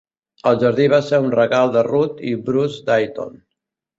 El jardí va ser un regal de Ruth i Bruce Dayton.